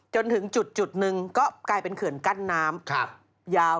จนถึงจุดหนึ่งก็กลายเป็นเขื่อนกั้นน้ำยาว